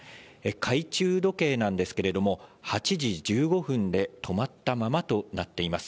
懐中時計なんですけれども、８時１５分で止まったままとなっています。